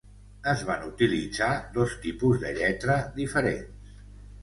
Es van utilitzar dos tipus de lletra diferents.